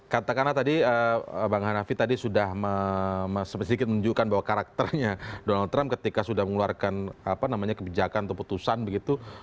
katakanlah tadi bang hanafi tadi sudah sedikit menunjukkan bahwa karakternya donald trump ketika sudah mengeluarkan kebijakan atau putusan begitu